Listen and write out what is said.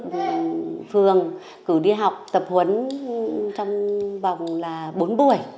và phường cử đi học tập huấn trong vòng là bốn buổi